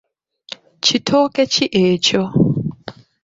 Kitooke ki ekyo?